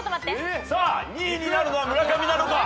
さあ２位になるのは村上なのか？